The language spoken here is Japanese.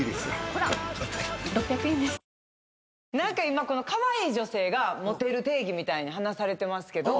今カワイイ女性がモテる定義みたいに話されてますけど。